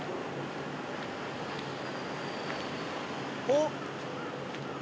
おっ！